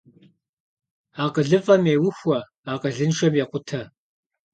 АкъылыфӀэм еухуэ, акъылыншэм екъутэ.